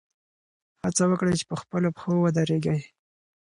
هڅه وکړئ چې په خپلو پښو ودرېږئ.